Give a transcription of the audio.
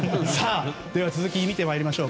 続き、見てまいりましょう。